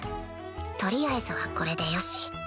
取りあえずはこれでよし